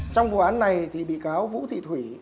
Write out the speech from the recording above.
trong vụ án này thì bị cáo vũ thị thủy